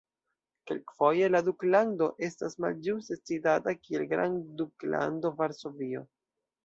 Kelkfoje la duklando estas malĝuste citata kiel "grandduklando Varsovio".